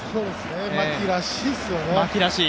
牧らしいですよね。